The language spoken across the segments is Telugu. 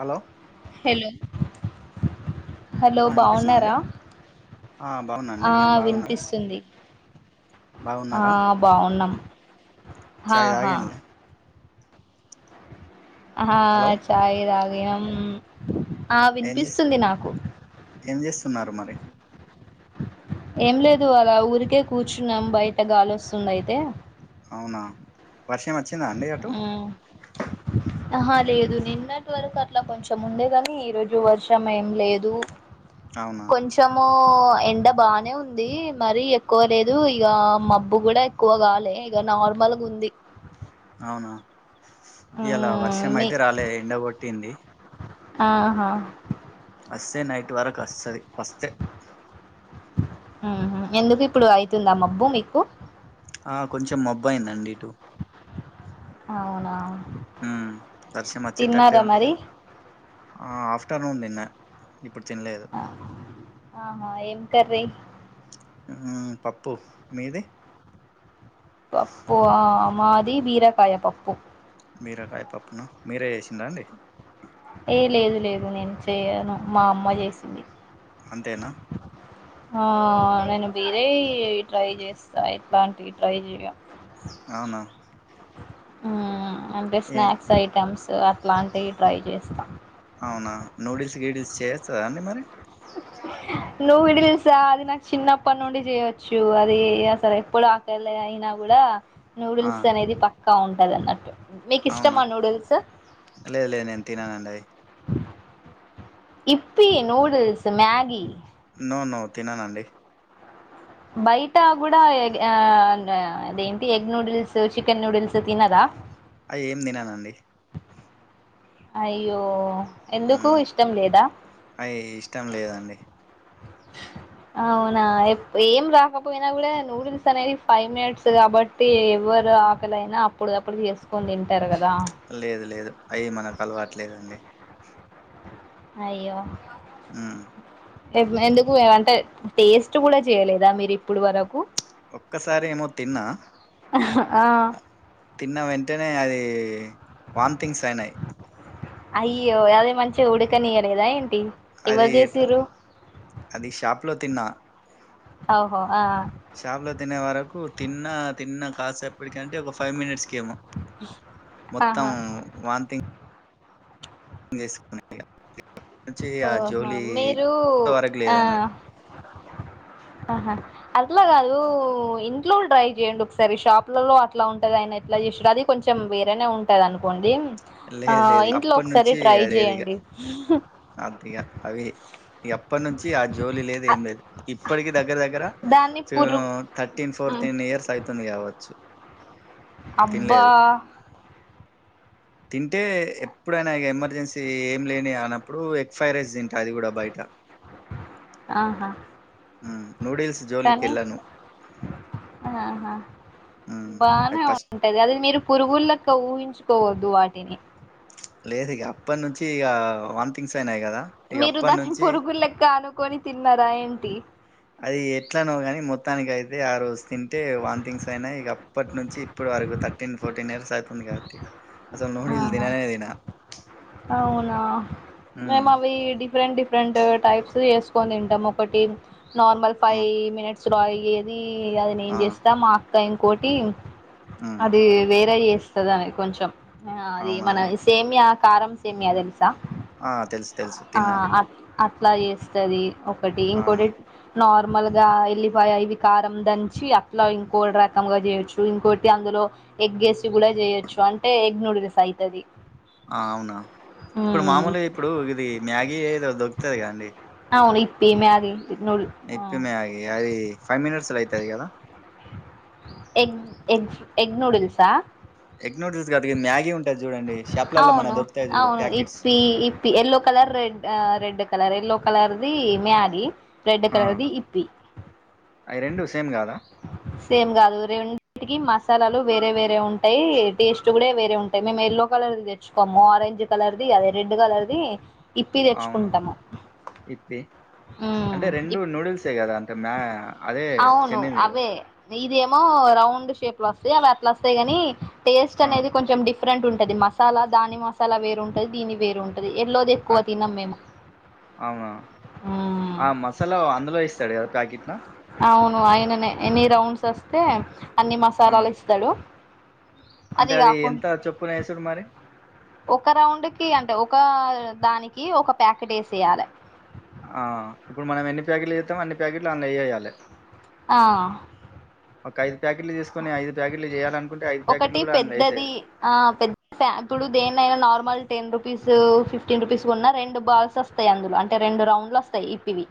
హలో హలో హలో ఆ వినిపిస్తుందా అండి బాగున్నారా ఆ బాగున్నాండి ఆ మీరు బాగున్నా వినిపిస్తుంది ఆ బాగున్నారా బాగున్నాం చాయ్ ఆహా తాగేయండి హా హలో చాయ్ తాగినాం ఆ ఏం చేస్ వినిపిస్తుంది నాకు ఏం చేస్తున్నారు మరి ఏం లేదు అలా ఊరికే కూర్చున్నాం బయట గాలి వస్తుంది అయితే అవునా వర్షం వచ్చిందా అండి అట్టు ఉమ్, ఆహా లేదు నిన్నటి వరకు అట్ల కొంచెం ఉండే కాని ఈరోజు వర్షం ఏం లేదు అవునా కొంచ్ తేమో ఎండ బానే ఉంది మరి ఎక్కువ లేదు ఇగ మబ్బు కూడా క్కువ గాలే ఇగ నార్మల్ గా ఉంది అవునా ఇయ్యాల ఉమ్, వర్షం మీ అయితే రాలే ఎండగొట్టింది ఆహా వస్తే నైట్ వరకు వస్తది వస్తే ఉహు ఎందుకు ఇప్పుడు అయితుందా మబ్బు మీకు ఆ కొంచెం మబ్బు అయిందండి ఇటు అవునా ఉహ్మ్ వర్షం వచ్చేతట్టే తిన్నారా ఉంది మరి కానీ ఆ ఆఫ్టర్నూన్ తిన్నా ఇప్పుడు తిన్నలేదు ఆ, ఆహా ఏం కర్రీ ఉ పప్పు మీది పప్పు ఆ మాది బీరకాయ పప్పు బీరకాయ పప్పు నా మీరే చేసిండ్ర అండి ఏ లేదు లేదు నేను చేయను మా అమ్మ చేసింది అంతేనా హా నేను బేరే ట్రై చేస్తా ఎట్లాంటి ట్రై చెయ్య అవునా ఉమ్ అంటే ఏ స్నాక్స్ ఐటమ్స్ అట్లాంటివి ట్రై చేస్తాం అవునా నూడిల్స్ గీడిల్స్ చేయొస్తాదా అండి మరి నూడుల్స్ హా అది నాకు చిన్నప్పటి నుండి చేయొచ్చు అది అసర ఎప్పుడు ల అయినా కూడా ఆ నూడిల్స్ అనేది పక్కా ఉంటది అన్నట్టు మీకు అవునా ఇష్టమా నూడిల్స్ లేదు లేదు నేను తిననండి అది Yippee noodles Maggi no no తిననండి బయట కూడా ఆ అదేంటి ఎగ్ నూడిల్స్ చికెన్ నూడిల్స్ తినరా ఆ ఏం తిననండి అయ్యో ఎందుకు ఉమ్ ఇష్టం లేదా అయి ఇష్టం లేదండి అవునా ఏం రాకపోయినా కూడా నూడిల్స్ అనేది ఫైవ్ మినట్స్ కాబట్ టి ఎవరు ఆకలైనా అప్పుటికప్పుడు చేసుకొని తింటారు కదా లేదు లేదు అవి మనకు అలవాట్లేదండి అయ్యో ఉమ్ ఎందుకు అంటే టేస్ట్ కూడా చేయలేదా మీరు ఇప్పుడు వరకు ఒక్కసారి ఏమో తిన్నా ఆ తిన్న వెంటనే అది వామ్థింగ్స్ అయినాయి అయ్యో అదే మంచిగా ఉడకనియలేదా ఏంటి అది ఎవరు ఎట్లు చేసిర్రు అది షాప్లో తిన్నా అ ఓహో ఆ షాప్లో తినే వరకు తిన్నా తిన్నా కాసేపటికి అంటే ఒక ఫైవ్ మినిట్స్ కెమో మొత్తం ఆహా వాంతింగ్ కు నుంచి ఆ ఓహో జోలి మీరు ఇంతవరకు ఆ లేదన్నట్టు ఆహా అట్లా కాదు ఇంట్లో ట్రై చేయండి ఒకసారి షాప్లలో అట్లా ఉంటది ఆయన ఎట్లా చేసారో అది కొంచెం వేరేనే ఉంటది అనుకోండి ఆ లేదు లేదు ఇంట్లో అప్పటి ఒకసారి ట్రై చేయండి అంతే ఇగా అవి ఇప్పటి నుంచి ఆ జోలి లేదు ఏం లేదు ఇప్పటికి దగ్గర దగ్గర దాన్ని పురుగు థర్టీన్ ఉమ్, ఫోర్టీన్ ఇయర్స్ అవుతుంది కావచ్చు అబ్బా తినలేదు తింటే ఎప్పుడైనా ఎమర్జెన్సీ ఏం లేని అన్నప్పుడు ఎక్స్ఫైరైస్ తింట అది కూడా బయట ఆహా నూడిల్స్ జోలికి కానీ వెళ్ళాను ఆహా అది బానే ఫస్ట్ ఉంటది ది అది మీరు పురుగులెక్క ఊహించుకోవద్దు వాటిని లేదు ఇక అప్పటి నుంచి ఇక వమ్థింగ్స్ అయినాయి కదా ఇక మీరు అప్పటి దాన్ని నుంచి పొరుగు లెక్క అనుకొని తిన్నారా ఏంటి అది ఎట్లనో కానీ మొత్తానికి అయితే ఆరోజు తింటే వన్థింగ్స్ అయినా ఇక ఇప్పటి నుంచి ఇప్పుడు వరకు థర్టీన్ ఫోర్టీన్ ఇయర్స్ అవుతుంది కాబట్టి అసలు నూడిల్స్ ఆహా తిననే తిన అవునా మేమ్ ఉమ్ అవి డిఫరెంట్ డిఫె డిఫరెంట్ టైప్స్ చేసుకని తింటాము ఒకటి నార్మల్ ఆ ఫైవ్ మినిట్స్ ఐయేది అది నేన్ ఆ చేస్తా మా అక్కా ఇంకోటి ఉమ్ అది వేరే చేస్తుదాని కొంచెం అది అవునా మన అండి సేమియా కారం సేమియా తెలుసా ఆ తెలుసు తెలుసు ఆ తిన్నది అట్ అట్లా చేస్తుంది ఒకటి అవునా ఇంకోటి నార్మల్ గా ఎల్లిపాయి ఇవి కారం దంచి అట్లా ఇంకో రకంగా చేయొచ్చు ఇంకోటి అందులో ఎగ్ వేసి కూడా చేయొచ్చు అంటే ఎగ్ నూడిల్స్ అయితది అవునా ఇప్పుడు మ్మ్ మామూలుగా ఇప్పుడు ఇది మ్యాగీ ఏదో దొరుకుతాయి గా అండి అవును ఇప్పీ మ్యాగీ నూ ఇప్పీ మ్యాగీ అయి ఫైవ్ మినిట్స్ లో అయితాయి గదా ఎగ్ ఎగ్ ఎగ్ నూడిల్సా ఎగ్ నూడుల్స్ కాదుది మ్యాగీ ఉంటది చూడండి షాప్లల్లో మన అవును దొరుకుతాయి చూడు అవును ప్యాకెట్స్ ఇప్పి ఇప్ yellow colour red red colour yellow కలర్ది మ్యాగీ రెడ్ కలర్ది ఇప్పి అయి రెండు సేమ్ కాదా సేమ్ కాదు రెండికి మసాలాలు వేరే వేరే ఉంటాయి టేస్ట్ కూడా వేరే ఉంటాయి మేము ఎల్లో కలర్ తె తెచ్చుకోము ఆరెంజ్ కలర్ ది అదే రెడ్ కలర్ ది ఇప్పి అవునా తెచ్చుకుంటాము ఇప్పి ఉమ్ అంటే రెండు ఇప్ నూడిల్సే కదా అంటే మ్యా అదే అవును చెందింది అవే ఇదేమో రౌండ్ షేప్ లో వస్తాయి అవి అట్లా వస్తాయి ని టేస్ట్ ఆ అనేది కొంచెం డిఫ డిఫరెంట్ ఉంటది మసాలా దాని మసాలా వేరుంటది దీని వేరు ఉంటది ఎల్లోది ఆ, ఎక్కువ తినము మేము అవునా ఉమ్ ఆ మసాలా అందులో ఇస్తాడు కదా ప్యాకెట్లో అవును ఆయననే ఎన్ని రౌండ్స్ వస్తే అన్ని ఆ మసాలాలు ఇస్తాడు అది అంటే కాకుం ఎంత చొప్పున వేసుడు మరి ఒక రౌండ్ కి అంటే ఒక దానికి ఒక ప్యాకెట్ వేసేయాలి ఆ ఇప్పుడు మనం ఎన్ని ప్యాకెట్లు ఎస్తామో అన్ని ప్యాకెట్లు దానిలో వేయాలి ఆ ఒక ఐదుప్యాకెట్లు తీసుకొని ఐదుప్యాకెట్లు చేయాలనుకుంటే ఐదు ఒకటి ప్యాకెట్లు కూడా అందులో పెద్దది వేసయాలి ఆ పెద్ద ఇప్పుడు దేనైనా normal ten rupees fifteen rupees ఉన్నా రెండు బాల్స్ వస్తాయి అందులో అంటే రెండు రౌండ్లు వస్తాయి ఇ పివి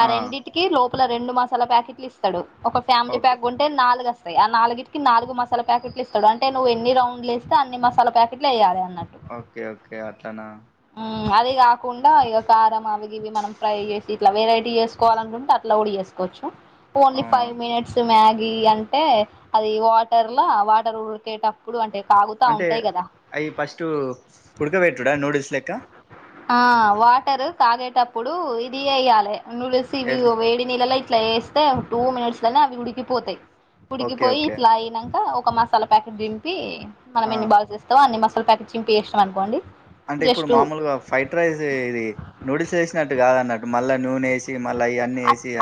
ఆ రెండింటికి లోపల రెండు మసాలా ప్యాకెట్లు ఇస్తాడు ఒక ఫ్యామిలీ ఓకే ప్యాక్ కొం నాలుగుస్తయి ఆ నాలుగిటి కి నాలుగు మసాల ప్యాకెట్లిస్తడు అంటే నువ్వు ఎన్ని రౌండ్లు వేస్తే అన్ని మసాల ప్యాకెట్లు వేయాలి అన్నట్టు ఓకే ఓకే అతను అదే కాకుండా ఇక కారం అవి ఇవి మనం ఫ్రై చేసి ఇట్లా వెరైటీ చేసుకోవాలి అనుకుంటే అట్లా ఉడిగేస్తాం వచ్చా ఓన్లీ అవునా ఫైవ్ మినిట్స్ మ్యాగీ అంటే అది వాటర్ లా వాటర్ ఉరికేట ఇప్పుడు అంటే తాగుతా ఉంటాయి కదా అయి ఫస్టు ఉడకబెట్టుడా నూడిల్స్ లెక్క ఆ వాటరు కాగేటప్పుడు ఇది ఏయ్యాలె నూడుల్స్ ఇవి ఏది వేడి నీళ్ళలో ఇట్లా ఏస్తే టూ మినిట్స్ నే అవి ఉడికిపోతాయి ఓకే ఉడికిపోయి ఓకే ఇట్లా అయినాంక ఒక మా మసాలా ప్యాకెట్ దింపి మనం ఆ ఎన్ని బాల్స్ వేస్తామో అన్ని మసాలా ప్యాకెట్ చింపి వేసినం అనుకోండి అంటే ఇప్పుడు జస్ట్ మామూలుగా ఫ్రైడ్ రైస్ ఇది నూడిల్స్ ఏస్ ట్టు కాదన్నటు మళ్ళ నూనేసి మళ్ళీ అ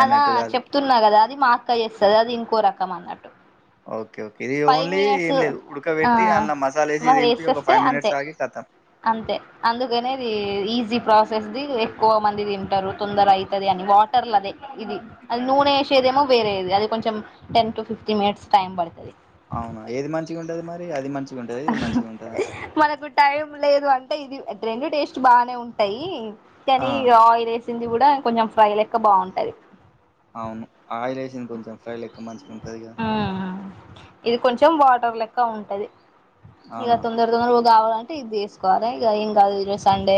అదా చెప్తున్నా కదా అది మా అక్క చేస్తది అది ఇంకో రకం అన్నట్టు ఓకే ఓకే ఇది ఫైవ్ ఓన్లీ ఏం మినిట్స్ లేదు ఆ ఉడకబెట్టి అందులా మసాలా వేసి మరి దింపి ఒక వేసేస్తే ఫైవ్ అంతే మినిట్స్ ఆగి కతాం అంతే అందుకనేది ఈజీ ప్రాసెస్ది ఎక్కువ మంది తింటారు తొందర అవుతుంది అని వాటర్లదే ఇది అది నూనె వేసేదేమో వేరేది అది కొంచెం ten to fifteen minutes time పడుతది అవునా ఏది మంచిగా ఉంటది మరి అది మంచిగా ఉంటది ఇది మంచిగా ఉంటదా మనకు టైం లేదు అంటే ఇది రెండు టేస్ట్ బానే ఉంటాయి కానీ ఆ! ఇగ ఆయిల్ ఏస్ సింది కూడా కొంచెం ఫ్రై లెక్క బాగుంటది అవును ఆయిలేేసింది కొంచెం ఫ్రై లెక్క మంచిగుంటది ఇగ ఆ ఆ ఇది కొంచెం వాటర్ లెక్క ఉంటది ఇక అవునా! తొందర తొందరగా కావాలంటే ఇది తీసుకోవాలి ఇక ఏం కాదు ఈరోజు సండే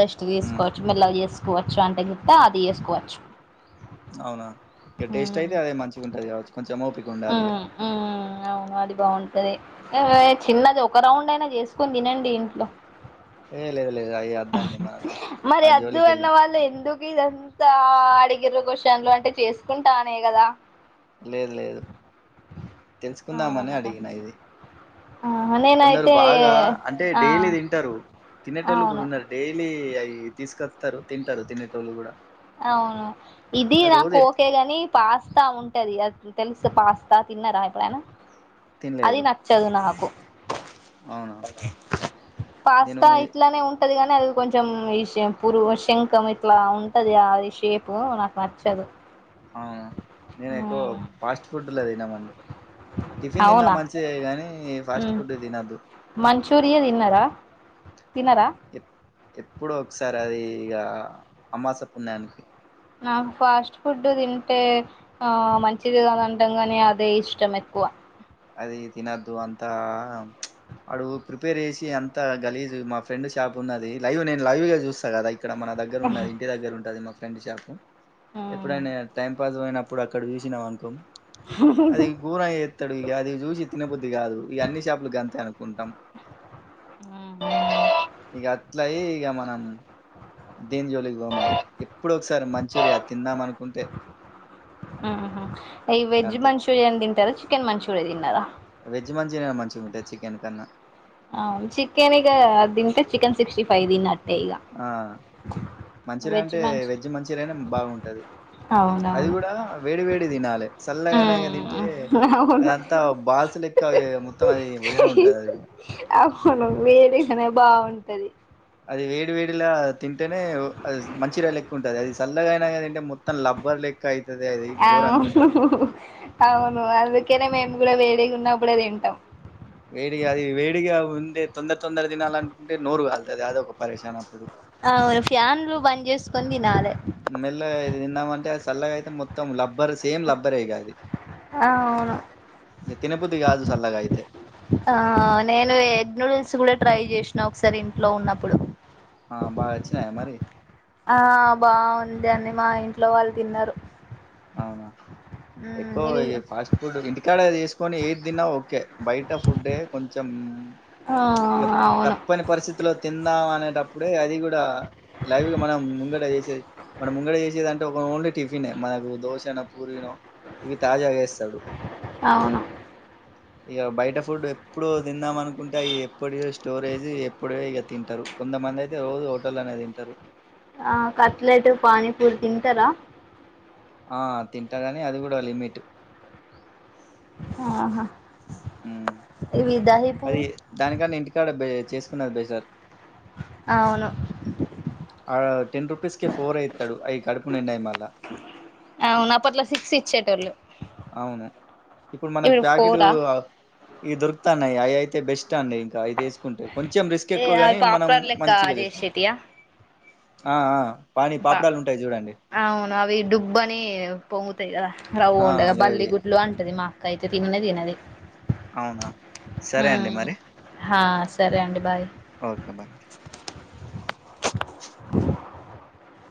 రెస్ట్ హ్మ్. తీసుకోవచ్చు మెల్లగ చేసుకోవచ్చు అంటే గిట్ట అది చేసుకోవచ్చు అవునా ఇక టేస్ట్ అయితే అదే మంచిగా ఉంటుంది కావచ్చు కొంచెం ఒపి ఊ ఊ అవును అది బాగుంటది ఇగ చిన్నది ఒక రౌండ్ అయినా చేస్ కుని తినండి ఇంట్లో ఏ లేదు లేదు అయి అద్దండి మనకు. ఆ మరి అద్దు అన్న జోలికెళ్ళం. వాళ్ళు ఎందుకు ఇదంతా అడిగిరు క్వశ్చన్లు అంటే చేసుకుంటానే కదా లేదు లేదు తెలుసుకుందామని అవును అడిగినా ఇది కొందరు నేనైతే బాగా అంటే ఆ డైలీ తింటారు తినేటోళ్ళు కూడా అవును ఉన్నారు డైలీ అవి తీసుకొస్తారు తింటారు తినేటోళ్ళు కూడా అవును ఇది అది నాకు రోజు ఎట్- ఓకే గాని పాస్తా ఉంటది అది తెలుసు పాస్తా తిన్నారా ఎప్పుడైనా అది తినలేదు నచ్చ చదు నాకు అవును నేను పాస్తా ఈ- ఇట్లానే ఉం ఉంటది కాని అది కొంచెం ఇష్ పురు శంఖం ఇట్లా ఉ టది అది షేపు నాకు నచ్చదు అవున నేను ఎక్కువ ఫాస్ట్ ఫుడ్ లే తినమండి టిఫిన్ తిన్నా అవునా మంచిదే గానీ ఫాస్ట్ ఫుడ్ తినద్దు మంచూరియ తిన్నార తినరా ఎప్పుడో ఒకసారి అది ఇగ అమాస పున్నానికి నాకు ఫాస్ట్ ఫుడ్ తింటే ఆ మంచిది కాదంటంగాని నాకు అదే ఇష్టం ఎక్కువ అది తినద్దు అంతా అడు ప్రిపేర్ చేసి అంత గలీజ మా ఫ్రెండ్ షాప్ ఉన్నది లైవ్ నేను లైవ్ గా చూస్తా కదా ఇక్కడ మన దగ్ దగ్గర ఉన్నది ఇంటి దగ్గర ఉంటది మా ఫ్రెండ్ షాపు ఉమ్ ఎప్పుడైనా టైం పాస్ పోయినపుడు ప్పు అక్కడ చూసిన వనుకో అది గోరంగ ఎత్తడు ఇగ అది చూసి తినబొద్ది కాదు ఇగ అన్ని షాప్ లు గంతే అనుకుంటాం ఊహు ఇగ అట్లాయి ఇక మనం దీన్ జోలికి గోమయి ఎప్పుడో ఒకసారి మంచూరియా తిందామనుకుంటే ఊహు ఈ వెజ్ అంతే మంచూరియన్ తింటారా చికెన్ మంచూరియా తిన్నారా వెజ్ మంచూరియన్ మంచిగా ఉంటది చికెన్ కన్నా ఆవును చికెన్ ఇగ అది తింటె చికెన్ సిక్స్టీ ఫైవ్ దినట్టే ఇగ ఆ మంచిర్ అంటే మంచ్ వెజ్ మంచిర్నే బాగుంటది అది అవునవును కూడా వేడి వేడి తినాలి సల్లగయ్ నాక తింటే మ్మ్ అవును అదంతా బాల్స్ లేక్ కా అది మొత్తం అది వెరే ఉంటది అది అవును వేరేగానే బాగుంటది అది వేడి వేడిలా తింటేనే మంచిగా లెక్ ఉంటది అది చల్లగా అయినాదంటే మొత్తం లబ్బర్ లెక్ టయితది అది ఘోరంగా ఉంటది అవును అవును అందుకనే మేము కూడా వేడి గున్నప్పుడే తింటాం వేడిగా అది వేడిగా ఉందే తొందర తొందర తినాలనుకుంటే నోరు కలుతది అదోక పరేషన్ అప్పుడు అవును ఫ్యాన్లు బంద్ చేసుకొని తినాలే మెల్లగ ఇది తిందామంటే చల్లగా అయితే మొత్తం లబ్బర్ సేమ్ లబ్బరే ఇగ అది ఆ అవును ఇగ తినబుద్ది కాదు సల్లగా అయితే ఆ నేను ఎగ్ నూడిల్స్ కూడా ట్రై చేసినా ఒకసారి ఇంట్లో ఉన్నప్పుడు ఆ బాగా వచ్చినయా మరి ఆ బాగుంది అని మా ఇంట్లో వాళ్ళు తిన్నారు అవునా మ్మ్ ఎక్కువ ఇవి ఫాస్ట్ ఫుడ్ ఇంటికాడ చేసుకొని ఏది తిన్నా ఓకే బయట ఫుడ్డే కొంచెం ఆ ఇగ తప్ అవును ప్పని పరిస్థితిలో తిందాం అనేటప్పుడే అది కూడా లైవ్ గా మన ముంగడ చేసేది మనం ముంగట చేసేది అంటే ఒక ఓన్లీ టిఫిన్ మనకు దోసనో పూరీనో ఇవి తాజాగా వేస్తాడు అవును ఇగ బయట ఫుడ్ ఎప్పుడు తిందాం అనుకుంటే అ ఎప్పుడు స్టోరేజ్ ఎప్పుడియొ ఇగా తింటారు కొంతమంది అయితే రోజు హోటల్లనే తింటారు ఆ కట్లెట్ పానీపూలు తింటారా ఆ తింటా కని అది కూడా లిమిట్ ఆహా ఉమ్. ఇవి దహి అది పూరి దానికన్నా ఇంటికాడ బ్ చేసుకున్నది బేటర్ అవును ఆ టెన్ రూపీస్క ఫోరే యిత్తడు అవి కడుపు నిండయి మళ్ళా అవున అప్పట్లో సిక్స్ ఇచ్చేటోళ్ళు అవును ఇప్పుడు మనకు ప్యాకెట్ ఇవి దొరుకుతాన్నాయి అవి అయితే బెస్ట్ అండి ఇంకా అయి తీస్ కుంటే కొంచెం రిస్క్ ఏ అవి ఎక్కువగాని మనం పాప్కార్న్ లెక్క మంచిగా తీసుకోం చేసేటియా ఆ ఆ పాని పా పాపడాలు ఉంటాయి చూడండి అవును అవి డుబ్బ అని పొంగుతాయి కదా రవు ఆ ఉండగా బల్లి గవి గుడ్లు అంటది మా కైతే తిననే తినది అవునా సరే అండి మ్ మరి హా సరే అండి బాయ్ ఓకే బాయ్